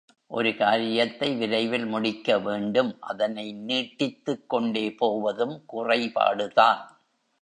ஒரு காரியத்தை விரைவில் முடிக்க வேண்டும் அதனை நீட்டித்துக்கொண்டே போவதும் குறைபாடுதான்.